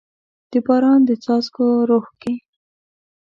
د باران د څاڅکو روح کې